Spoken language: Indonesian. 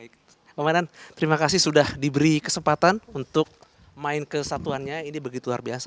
baik oman terima kasih sudah diberi kesempatan untuk main kesatuannya ini begitu luar biasa